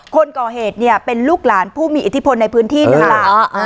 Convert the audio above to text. คนก่อเหตุเนี่ยเป็นลูกหลานผู้มีอิทธิพลในพื้นที่นี่แหละ